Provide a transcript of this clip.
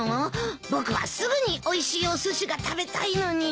僕はすぐにおいしいおすしが食べたいのに。